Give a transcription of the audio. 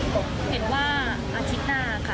ก็เห็นว่าอาทิตย์หน้าค่ะ